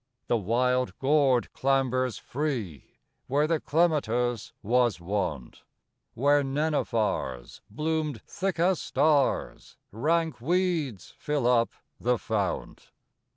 The wild gourd clambers free Where the clematis was wont; Where nenuphars bloomed thick as stars Rank weeds fill up the fount.